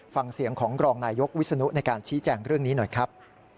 ฟังเสียงของรองนายยกวิศนุในการชี้แจงเรื่องนี้หน่อยครับ